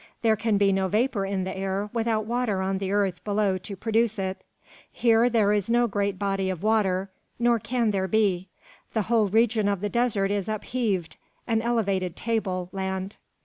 There can be no vapour in the air without water on the earth below to produce it. Here there is no great body of water. "Nor can there be. The whole region of the desert is upheaved an elevated table land.